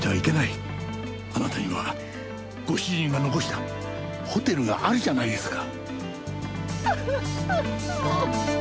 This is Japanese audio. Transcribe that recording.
あなたにはご主人が残したホテルがあるじゃないですか。